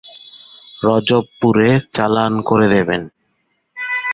রজবপুরে চালান করে দেবেন।